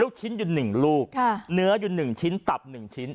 ลูกชิ้นอยู่หนึ่งลูกค่ะเนื้ออยู่หนึ่งชิ้นตับหนึ่งชิ้น